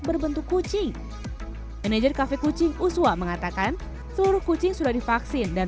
berbentuk kucing manajer cafe kucing uswa mengatakan seluruh kucing sudah divaksin dan